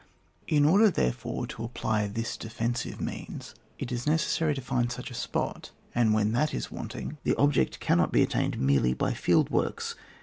In order, therefore, to be able to apply this defensive means, it is necessary to find such a spot, and when that is wanting, the object cannot be attained merely by field works.